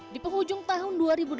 di penghujung tahun dua ribu delapan belas